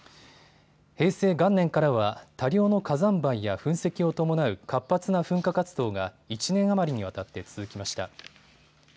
平成元年からは多量の火山灰や噴石を伴う、活発な噴火活動が１年余りにわたって続きました。